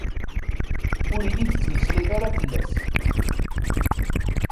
Ur iyi-d-ttmeslayet ara fell-as.